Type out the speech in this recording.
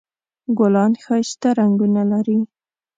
ګلان ښایسته رنګونه لري